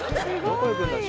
どこ行くんだろう？